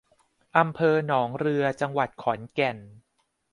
อำเภอหนองเรือ จังหวัดขอนแก่น